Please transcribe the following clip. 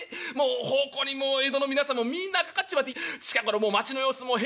奉公人も江戸の皆さんもみんなかかっちまって近頃もう町の様子も変なんだ。